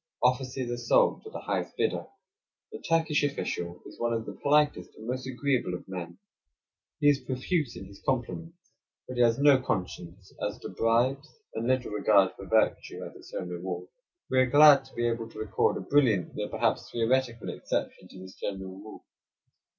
Offices are sold to the highest bidder. The Turkish official is one of the politest and most agreeable of men. He is profuse in his compliments, but he has no conscience as to bribes, and little regard for virtue as its own reward. We are glad to be able to record a brilliant, though perhaps theoretical, exception to this general rule.